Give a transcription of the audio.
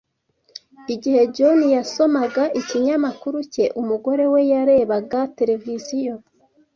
Igihe John yasomaga ikinyamakuru cye, umugore we yarebaga televiziyo.